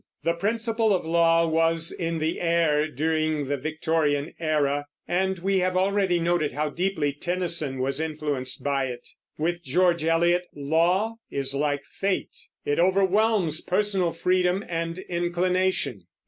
The principle of law was in the air during the Victorian era, and we have already noted how deeply Tennyson was influenced by it. With George Eliot law is like fate; it overwhelms personal freedom and inclination.